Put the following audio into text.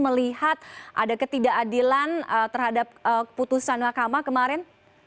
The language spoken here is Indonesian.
melihat ada ketidakadilan terhadap putusan mahkamah kemarin